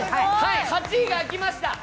８位が開きました。